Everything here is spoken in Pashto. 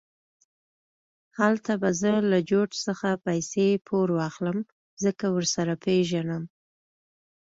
هلته به زه له جورج څخه پیسې په پور واخلم، ځکه ورسره پېژنم.